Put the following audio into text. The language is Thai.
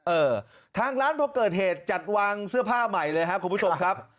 เออทางร้านพอเกิดเหตุจัดวางเสื้อผ้าใหม่เลยครับคุณผู้ชมครับ